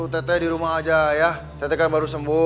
saya di rumah aja ya